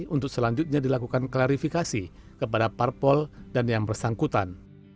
untuk selanjutnya dilakukan klarifikasi kepada parpol dan yang bersangkutan